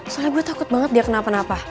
soalnya gue takut banget dia kenapa napa